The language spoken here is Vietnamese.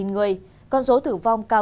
một mươi người con số tử vong cao